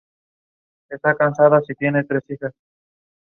Its Wilmington branch was the last train to serve Wilmington and its Union Station.